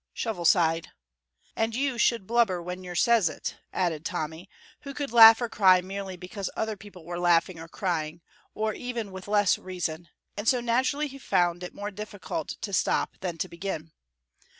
Shovel sighed. "And you should blubber when yer says it," added Tommy, who could laugh or cry merely because other people were laughing or crying, or even with less reason, and so naturally that he found it more difficult to stop than to begin.